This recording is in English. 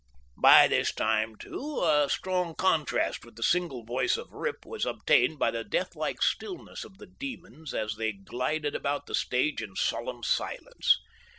By this means, too, a strong contrast with the single voice of Rip was obtained by the deathlike stillness of the "demons" as they glided about the stage in solemn silence.